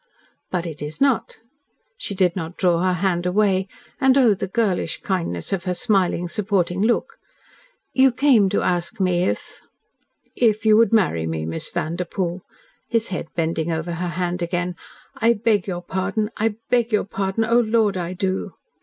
"But it is not." She did not draw her hand away, and oh, the girlish kindness of her smiling, supporting look. "You came to ask me if " "If you would marry me, Miss Vanderpoel," his head bending over her hand again. "I beg your pardon, I beg your pardon. Oh Lord, I do.'